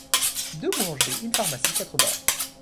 Deux boulangeries, une pharmacie, quatre bars.